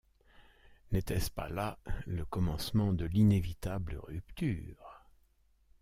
N’était-ce pas là le commencement de l’inévitable rupture?